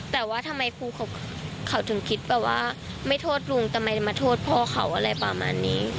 แต่ว่าทำไมครูเขาถึงคิดแบบว่าไม่โทษลุงทำไมจะมาโทษพ่อเขาอะไรประมาณนี้